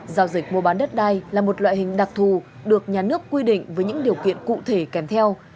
giao dịch mua bán đất đai là một loại hình đặc thù được nhà nước quy định với những điều kiện cụ thể kèm theo